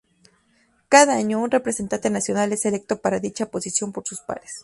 Cada año, un representante nacional es electo para dicha posición por sus pares.